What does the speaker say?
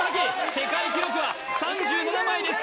世界記録は３７枚です